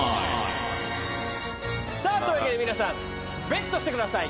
さあというわけで皆さんベットしてください。